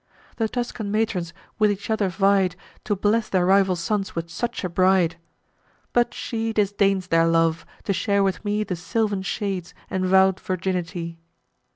The Tuscan matrons with each other vied, To bless their rival sons with such a bride; But she disdains their love, to share with me The sylvan shades and vow'd virginity.